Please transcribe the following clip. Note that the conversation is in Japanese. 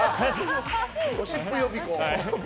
ゴシップ予備校。